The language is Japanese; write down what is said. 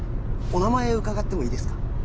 お名前伺ってもいいですか？